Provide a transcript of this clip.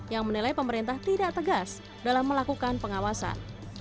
yang menilai pemerintah tidak tegas dalam melakukan pengawasan